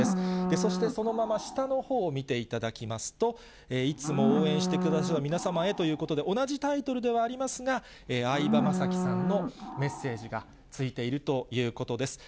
そしてそのまま下のほうを見ていただきますと、いつも応援してくださる皆様へということで、同じタイトルではありますが、相葉雅紀さんのメッセージがついているということです。